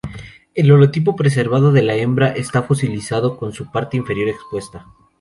El holotipo preservado de la hembra está fosilizado con su parte inferior expuesta.